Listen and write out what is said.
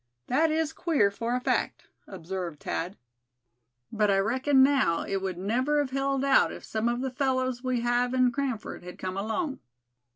"That is queer, for a fact," observed Thad. "But I reckon now it would never have held out if some of the fellows we have in Cranford had come along."